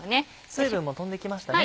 水分も飛んできましたね。